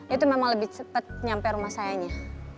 itu memang lebih cepat nyampe rumah sayanya